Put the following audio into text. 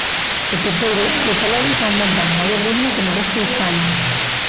E, terceiro, que os salarios aumentan a maior ritmo que no resto de España.